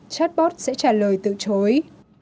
chatbot sẽ trả lời tự chối